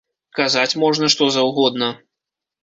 Казаць можна што заўгодна.